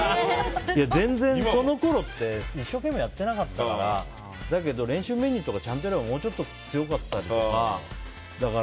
全然そのころって一生懸命やってなかったからだけど、練習メニューとかちゃんとやればもうちょっと強かったのかなとか。